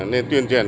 nên tuyên truyền